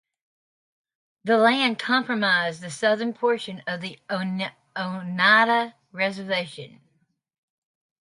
The land comprised the southern portion of the Oneida reservation.